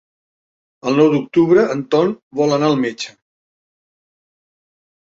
El nou d'octubre en Ton vol anar al metge.